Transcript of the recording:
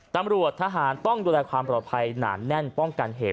ตำรวจทหารต้องดูแลความปลอดภัยหนาแน่นป้องกันเหตุ